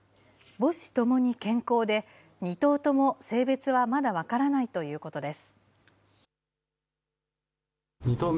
母子ともに健康で、２頭とも性別はまだ分からないということです。